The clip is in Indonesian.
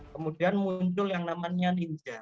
kemudian muncul yang namanya ninja